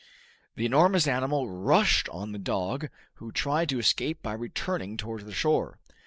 The enormous animal rushed on the dog, who tried to escape by returning towards the shore.